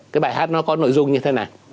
cái bài hát nó có nội dung như thế nào